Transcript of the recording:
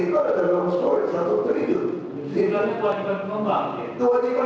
justru kau seingat kalau buat mereka